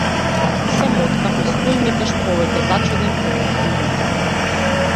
Се моткав низ тој метеж повеќе зачуден отколку лут.